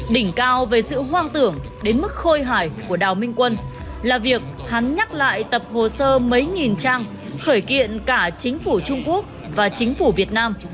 đỉnh cao về sự hoang tưởng đến mức khôi hải của đào minh quân là việc hắn nhắc lại tập hồ sơ mấy nghìn trang khởi kiện cả chính phủ trung quốc và chính phủ việt nam